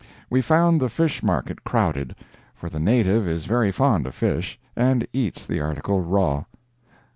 We found the fish market crowded; for the native is very fond of fish, and eats the article raw.